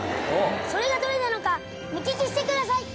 それがどれなのか目利きしてください。